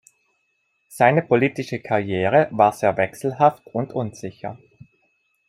Seine politische Karriere war sehr wechselhaft und unsicher.